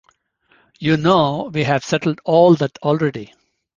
You know we have settled all that already.